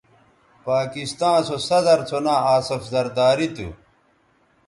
پاکستاں سو صدرسو ناں آصف زرداری تھو